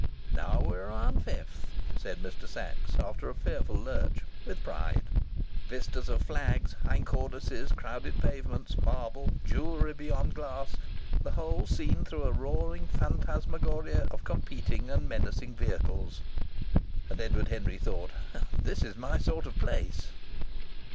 "Now we're on Fifth," said Mr. Sachs, after a fearful lurch, with pride. Vistas of flags, high cornices, crowded pavements, marble, jewellery behind glass the whole seen through a roaring phantasmagoria of competing and menacing vehicles! And Edward Henry thought: "This is my sort of place!"